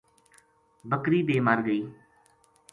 بکری بے مر گئی